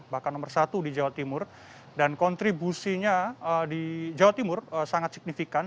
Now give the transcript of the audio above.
bahkan nomor satu di jawa timur dan kontribusinya di jawa timur sangat signifikan